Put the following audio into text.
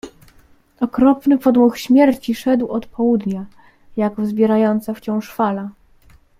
"Okropny podmuch śmierci szedł od południa, jak wzbierająca wciąż fala."